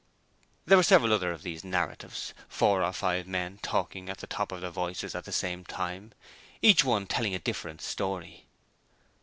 There were several other of these narratives, four or five men talking at the top of their voices at the same time, each one telling a different story.